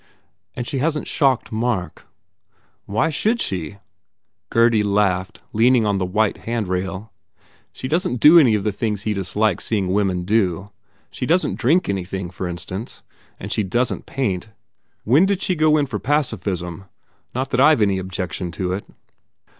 "And she hasn t shocked Mark?" "Why should she?" Gurdy laughed, leaning on the white handrail, "she doesn t do any of the things he dislikes seeing women do. She doesn t drink anything, for instance, and she doesn t paint. When did she go in for pacifism not that I ve any objection to it."